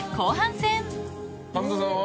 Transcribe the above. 神田さんは？